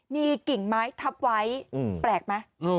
มีกิ่งไม้ทับไว้แปลกไหม